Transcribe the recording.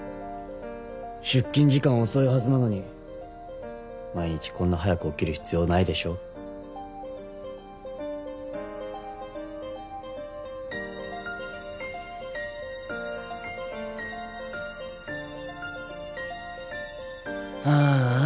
出勤時間遅いはずなのに毎日こんな早く起きる必要ないでしょああ